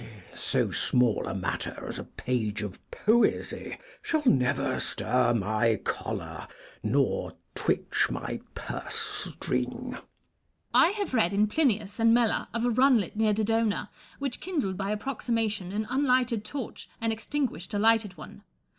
So small a matter as a page of poesy shall never stir my choler nor twitch my purse string. Elizabeth. I have read in Plinius and Mela of a runlet near Dodona, which kindled by approximation an unlighted torch, and extinguished a lighted one.